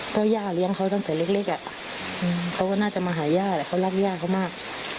เพราะย่าเลี้ยงเขาตั้งแต่เล็กเขาก็น่าจะมาหาย่าแหละเขารักย่าเขามาก